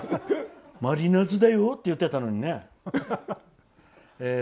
マリナーズだよって言ってたのに。